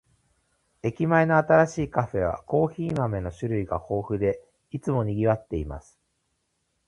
駅前の新しいカフェは、コーヒー豆の種類が豊富で、いつも賑わっています。